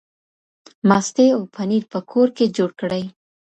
ماستې او پنیر په کور کې جوړ کړئ.